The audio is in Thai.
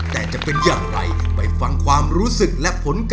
น่าจะถูกทุกคำใช่ไหมคะค่ะน้องคิดว่าหนูร้องถูกนะ